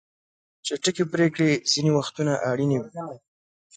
چټک پریکړې ځینې وختونه اړینې وي.